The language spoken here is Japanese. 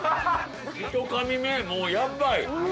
◆一かみ目、もうやばい。